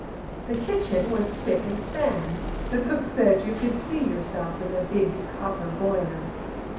The kitchen was spick and span: the cook said you could see yourself in the big copper boilers.